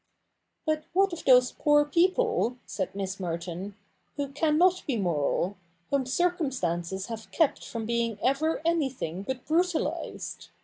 ' But what of those poor people,' said Miss Merton, ' who cannot be moral — whom circumstances have kept from being e\'er anything but brutalised